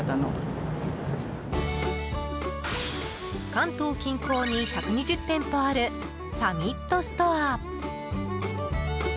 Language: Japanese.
関東近郊に１２０店舗あるサミットストア。